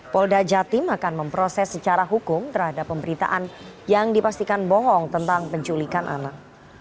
polda jatim akan memproses secara hukum terhadap pemberitaan yang dipastikan bohong tentang penculikan anak